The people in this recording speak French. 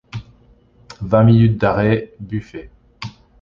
Vingt Minutes d'arrêt... buffet.